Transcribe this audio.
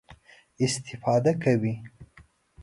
استفاده کوي.